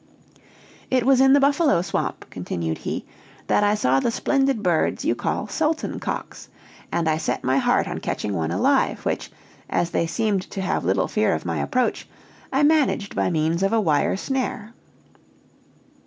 "It was in the Buffalo Swamp," continued he, "that I saw the splendid birds you call sultan cocks, and I set my heart on catching one alive, which, as they seemed to have little fear of my approach, I managed by means of a wire snare.